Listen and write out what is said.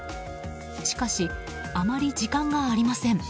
しかし、あまり時間がありません。